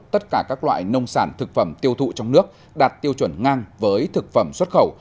tất cả các loại nông sản thực phẩm tiêu thụ trong nước đạt tiêu chuẩn ngang với thực phẩm xuất khẩu